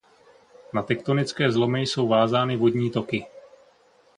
Na tektonické zlomy jsou vázány vodní toky.